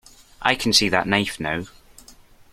I can see that knife now.